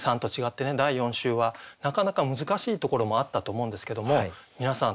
第４週はなかなか難しいところもあったと思うんですけども皆さん